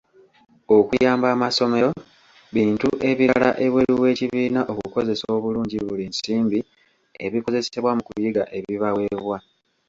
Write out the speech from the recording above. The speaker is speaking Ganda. Okuyamba amasomero bintu ebirala ebweru w’ekibiina okukozesa obulungi buli nsimbi, ebikozesebwa mu kuyiga ebibaweebwa.